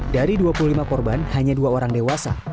dari dua puluh lima korban hanya dua orang dewasa